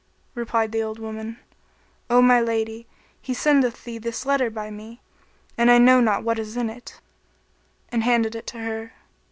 Replied the old woman, "O my lady, he sendeth thee this letter by me, and I know not what is in it;" and handed it to her.